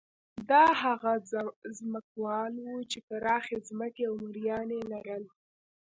دا هغه ځمکوال وو چې پراخې ځمکې او مریان یې لرل.